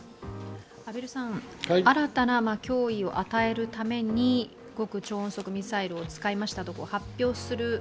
新たな脅威を与えるために極超音速ミサイルを使いましたと発表はる